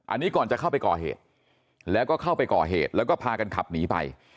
อันนี้ก่อนจะเข้าไปก่อเหตุแล้วก็เข้าไปก่อเหตุแล้วก็พากันขับหนีไป